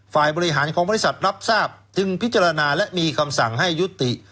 ฝ่ายบริหารของบริษัทรับทราบจึงพิจารณาและมีคำสั่งให้ยุติ